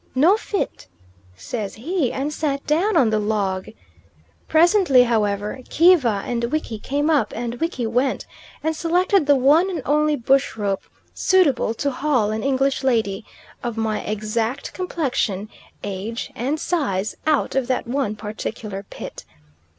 "No fit," says he, and sat down on the log. Presently, however, Kiva and Wiki came up, and Wiki went and selected the one and only bush rope suitable to haul an English lady, of my exact complexion, age, and size, out of that one particular pit.